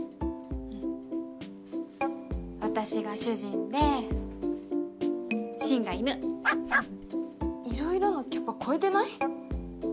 うん私が主人で深が犬「いろいろ」のキャパ超えてない？